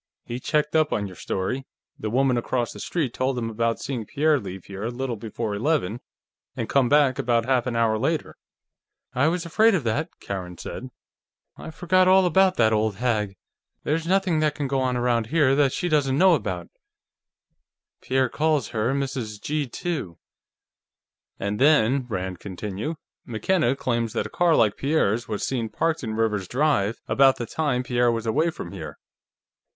He checked up on your story; the woman across the street told him about seeing Pierre leave here a little before eleven and come back about half an hour later." "I was afraid of that," Karen said. "I forgot all about that old hag. There's nothing that can go on around here that she doesn't know about; Pierre calls her Mrs. G2." "And then," Rand continued, "McKenna claims that a car like Pierre's was seen parked in Rivers's drive about the time Pierre was away from here."